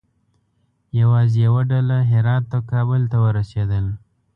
یوازې یوه ډله هرات او کابل ته ورسېدل.